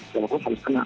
kalau harus kena